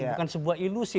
bukan sebuah ilusi